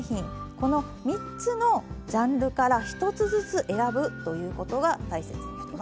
この３つのジャンルから１つずつ選ぶということが大切になります。